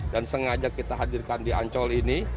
dan sengaja kita hadirkan di ancol ini